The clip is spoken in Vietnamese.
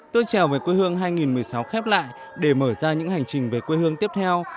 tôi trèo về quê hương hai nghìn một mươi sáu khép lại để mở ra những hành trình về quê hương tiếp theo